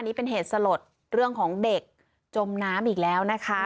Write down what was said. นี่เป็นเหตุสลดเรื่องของเด็กจมน้ำอีกแล้วนะคะ